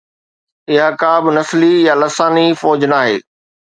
اها ڪا نسلي يا لساني فوج ناهي.